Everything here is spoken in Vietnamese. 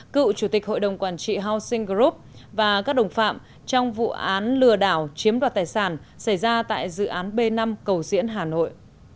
cựu chủ tịch hội đồng quản trị housing group và các đồng phạm trong vụ án lừa đảo chiếm đoạt tài sản xảy ra tại dự án b năm cầu diễn hà nội